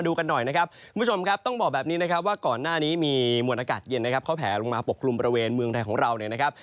กันหน่อยนะครับคุณผู้ชมครับต้องบอกแบบนี้นะครับว่าก่อนหน้านี้มีมวลอากาศเย็นนะครับเขาแผลลงมาปกกลุ่มบริเวณเมืองไทยของเราเนี่ยนะครับ